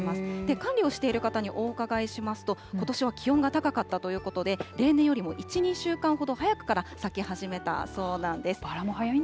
管理をしている方にお伺いしますと、ことしは気温が高かったということで、例年よりも１、２週間ほど早くから咲き始めたそうなんです。